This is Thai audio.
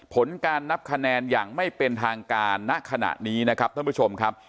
ผลการนับคะแนนอย่างไม่เป็นทางการณขณะนี้นะครับท่านผู้ชมครับ